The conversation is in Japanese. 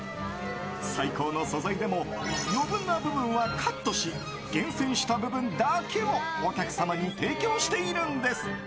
最高の素材でも余分な部分はカットし厳選した部分だけをお客様に提供しているんです。